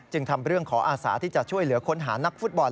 ทำเรื่องขออาสาที่จะช่วยเหลือค้นหานักฟุตบอล